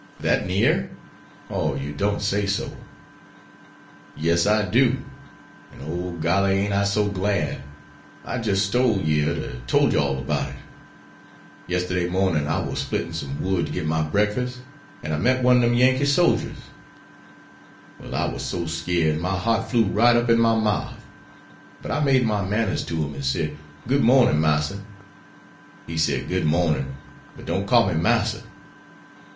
"That near? Oh, you don't say so!" "Yes, I do. An', oh, golly, ain't I so glad! I jis' stole yere to told you all 'bout it. Yesterday mornin' I war splittin' some wood to git my breakfas', an' I met one ob dem Yankee sogers. Well, I war so skeered, my heart flew right up in my mouf, but I made my manners to him and said, 'Good mornin', Massa.' He said, 'Good mornin'; but don't call me "massa."'